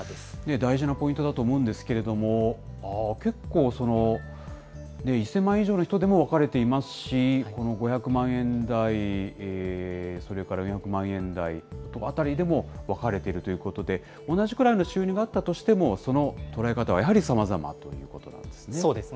大事なポイントだと思うんですけど、結構、１０００万円以上の人でも分かれていますし、この５００万円台、それから２００万円台のあたりでも分かれているということで、同じくらいの収入があったとしても、その捉え方はやはりさまざまということなんですね。